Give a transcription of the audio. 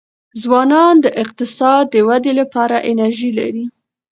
ځوانان د اقتصاد د ودې لپاره انرژي لري.